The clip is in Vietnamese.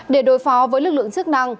để đối phó với lực lượng chức năng